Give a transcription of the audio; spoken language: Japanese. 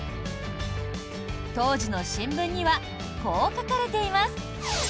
当時の新聞にはこう書かれています。